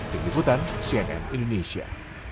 dikiputan cnn indonesia